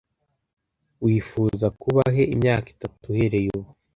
Wifuza kuba he imyaka itatu uhereye ubu?